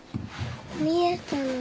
見えたの。